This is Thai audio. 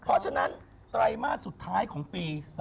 เพราะฉะนั้นไตรมาสสุดท้ายของปี๒๕๖